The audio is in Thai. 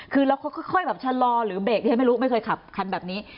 คือเราค่อยชะลอหรือเบรกไม่เคยขับคันแบบนี้